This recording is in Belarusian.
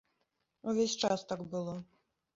Увесь час так было.